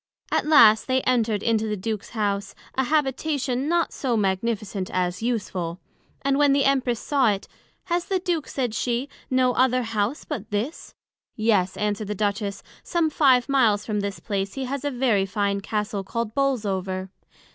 As last they enter'd into the Duke's House, an Habitation not so magnificent as useful; and when the Empress saw it, Has the Duke, said she, no other House but this? Yes, answered the Duchess, some five miles from this place he has a very fine Castle called Bolesover.